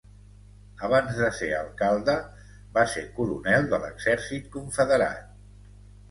Abans de ser alcalde, va ser coronel de l'Exèrcit Confederat.